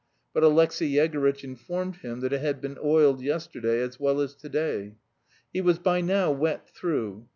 But Alexey Yegorytch informed him that it had been oiled yesterday "as well as to day." He was by now wet through.